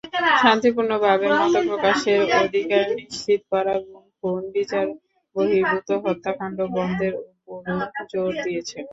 শান্তিপূর্ণভাবে মতপ্রকাশের অধিকার নিশ্চিত করা, গুম-খুন, বিচারবহির্ভূত হত্যাকাণ্ড বন্ধের ওপরও জোর দিয়েছেন।